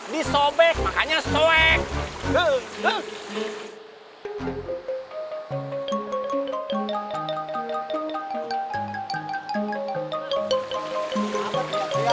disobek makanya soek